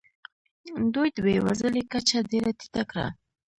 دوی د بې وزلۍ کچه ډېره ټیټه کړه.